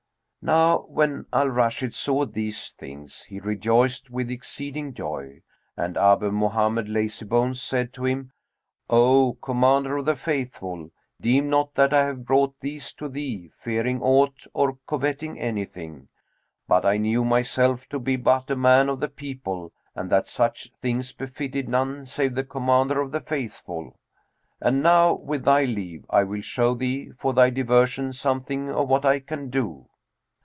Now when Al Rashid saw these things, he rejoiced with exceeding joy and Abu Mohammed Lazybones said to him, "O Commander of the Faithful, deem not that I have brought these to thee, fearing aught or coveting anything; but I knew myself to be but a man of the people and that such things befitted none save the Commander of the Faithful. And now, with thy leave, I will show thee, for thy diversion, something of what I can do."